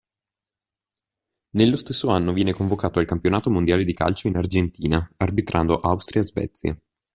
Nello stesso anno viene convocato al Campionato mondiale di calcio in Argentina arbitrando Austria-Svezia.